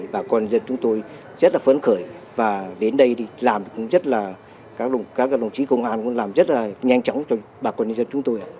bà con dân chúng tôi rất là phấn khởi và đến đây đi làm cũng rất là các đồng chí công an cũng làm rất là nhanh chóng cho bà con nhân dân chúng tôi